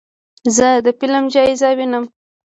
زه د فلم جایزه وینم.